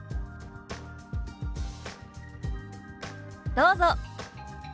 どうぞ。